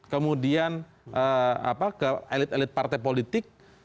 kemudian ke elit elit partai politik